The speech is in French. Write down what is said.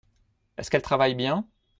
Est-ce qu’elle travaille bien ?